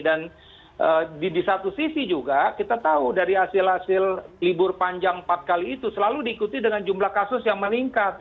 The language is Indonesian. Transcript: dan di di satu sisi juga kita tahu dari hasil hasil libur panjang empat kali itu selalu diikuti dengan jumlah kasus yang meningkat